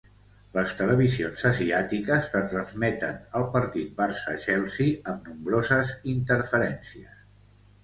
Les televisions asiàtiques retransmeten el partit Barça – Chelsea amb nombroses interferències